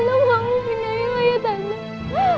tolong mengambil wudhu saya tante